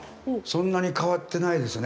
そんなに変わってないですね。